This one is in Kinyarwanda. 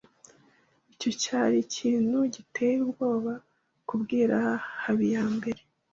Icyo cyari ikintu giteye ubwoba kubwira Habiyambere.